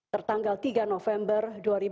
tertanggal tiga november dua ribu dua puluh